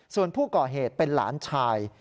ส่วนผู้ก่อเหตุเป็นหลานชาย